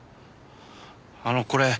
あのこれ。